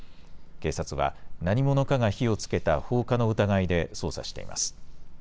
警察は、何者かが火をつけた放火の疑いで捜査しています。